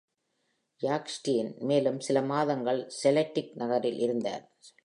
Jack Stein மேலும் சில மாதங்கள் செல்டிக் நகரில் இருந்தார்.